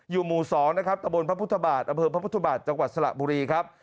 อยู่หมู่๒นะครับตะโบนพระพุทธบาทอพิวพระพุทธบาทตรวจสระบุรีครับ